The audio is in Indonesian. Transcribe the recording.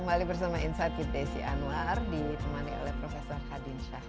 kembali bersama insight with desi andwar ditemani oleh prof khadinsyah